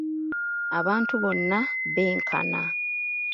Abantu bonna benkana.